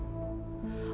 bukannya jodi dulu dekatnya